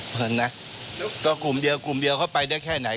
เหมือนนะก็กลุ่มเดียวกลุ่มเดียวเข้าไปได้แค่ไหน